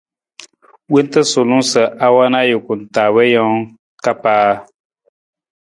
Wonta suulung sa a wan ajuku taa wii jawang ka paa.